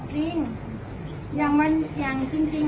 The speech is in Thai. จริงอย่างจริง